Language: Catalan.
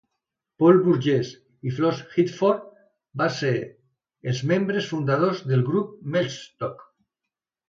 Paul Burgess i Flos Headford van ser els membres fundadors del grup Mellstock.